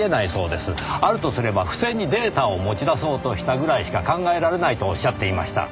あるとすれば不正にデータを持ち出そうとしたぐらいしか考えられないとおっしゃっていました。